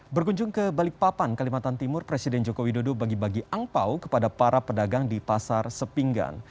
berkunjung ke balikpapan kalimantan timur presiden joko widodo bagi bagi angpau kepada para pedagang di pasar sepinggan